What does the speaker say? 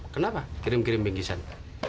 kenapa kirim kirim bingkisan